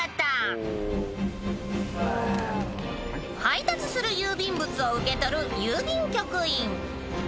［配達する郵便物を受け取る郵便局員］